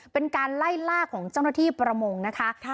เป็นการไล่ล่าของเจ้าหน้าที่ประมงนะคะ